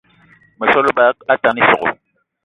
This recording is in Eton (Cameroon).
Meso á lebá atane ísogò